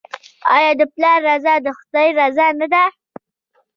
آیا د پلار رضا د خدای رضا نه ده؟